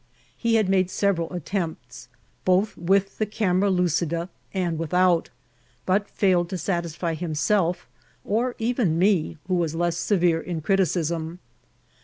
He had made several attempts, both with the camera lucida and without, but feiled to sat isfy himself or even me, who was less severe in criti cism.